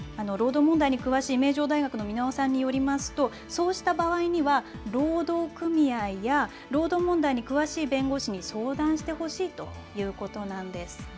労働問題に詳しい名城大学の簑輪さんによりますと、そうした場合には、労働組合や、労働問題に詳しい弁護士に相談してほしいということなんです。